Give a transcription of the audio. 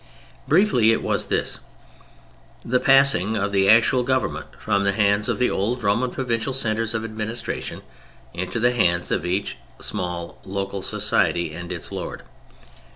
Briefly it was this: the passing of actual government from the hands of the old Roman provincial centres of administration into the hands of each small local society and its lord.